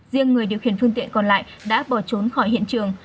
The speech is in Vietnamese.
riêng người điều khiển phương tiện còn lại đã bỏ trốn khỏi hiện trường